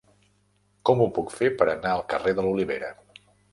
Com ho puc fer per anar al carrer de l'Olivera?